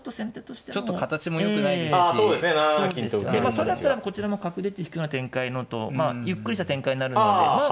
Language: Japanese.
それだったらこちらも角出て引くような展開のと。ゆっくりした展開になるのでまあまあ。